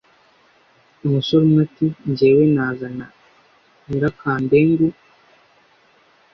umusore umwe ati: "ngewe nazana nyirakandengu